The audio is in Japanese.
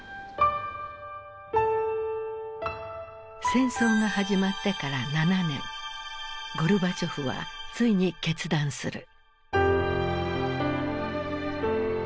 戦争が始まってから７年ゴルバチョフはついに決断する。